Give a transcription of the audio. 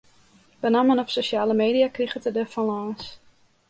Benammen op sosjale media kriget er der fan lâns.